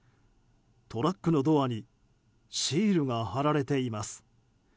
トラックのドアにシールが貼られています。